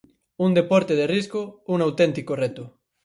Un deporte de risco, un auténtico reto.